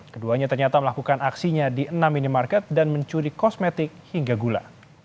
keduanya ternyata melakukan aksinya di enam minimarket dan mencuri kosmetik hingga gula